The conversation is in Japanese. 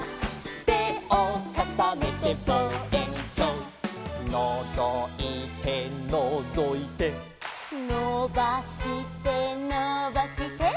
「てをかさねてぼうえんきょう」「のぞいてのぞいて」「のばしてのばして」